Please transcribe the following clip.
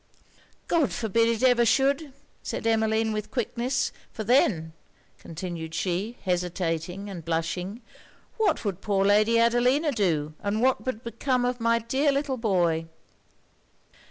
'God forbid it ever should!' said Emmeline, with quickness; 'for then,' continued she, hesitating and blushing, 'what would poor Lady Adelina do? and what would become of my dear little boy?'